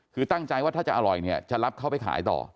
คือตั้งใจว่าถ้าจะอร่อยเนี่ยจะรับเขาไปขายต่อ